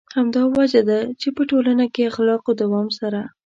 همدا وجه ده چې په ټولنه کې اخلاقو دوام سره.